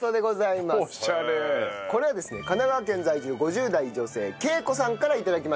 これはですね神奈川県在住５０代女性圭子さんから頂きました。